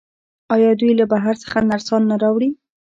آیا دوی له بهر څخه نرسان نه راوړي؟